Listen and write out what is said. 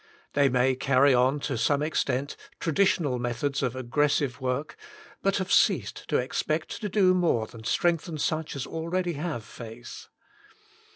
They may carry on to some extent Traditional Methods of Aggressive "Work, but have ceased to expect to do more than strengthen such as already have faith.